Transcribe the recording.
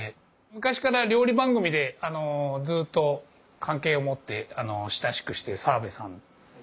昔から料理番組でずっと関係を持って親しくしてる沢辺さん。